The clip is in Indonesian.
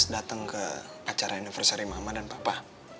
sakses dateng ke acara anniversary mama dan papa